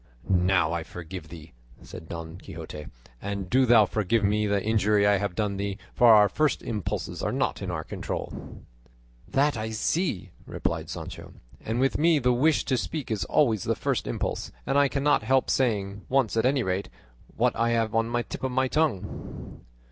"Now I forgive thee," said Don Quixote; "and do thou forgive me the injury I have done thee; for our first impulses are not in our control." "That I see," replied Sancho, "and with me the wish to speak is always the first impulse, and I cannot help saying, once at any rate, what I have on the tip of my tongue."